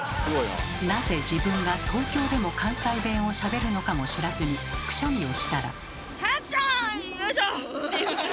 なぜ自分が東京でも関西弁をしゃべるのかも知らずにくしゃみをしたら。